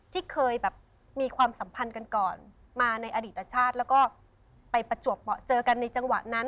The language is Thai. ที่เคยแบบมีความสัมพันธ์กันก่อนมาในอดีตชาติแล้วก็ไปประจวบเจอกันในจังหวะนั้น